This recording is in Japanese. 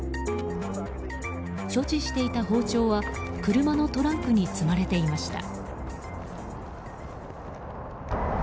所持していた包丁は車のトランクに積まれていました。